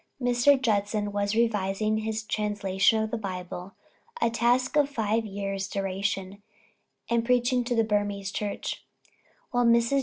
Mr. Judson was revising his translation of the Bible a task of five years' duration, and preaching to the Burmese church; while Mrs. J.